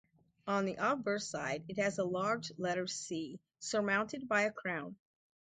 On the obverse side it has a large letter "C" surmounted by a crown.